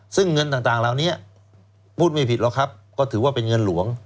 ซึ่งเงินต่างเหล่านี้พูดไม่ผิดหรอกครับก็ถือว่าเป็นเงินหลวง